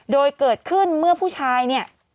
โดยเกิดขึ้นเมื่อผู้ชายเนี่ย